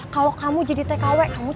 kalau kamu jadi tkw kamu